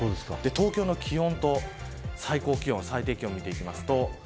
東京の最高気温、最低気温見ていきます。